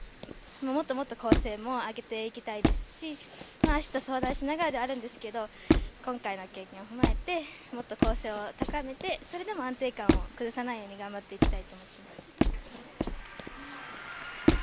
もっともっと構成も上げていきたいですし相談しながらではあるんですが今回の経験を踏まえてもっと構成を高めてそれでも安定感を崩さないように頑張っていきたいと思っています。